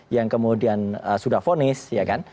yang kemudian sudah fonis ya kan